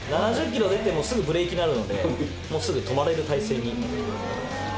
７０キロ出て、すぐブレーキになるので、すぐ止まれる態勢に。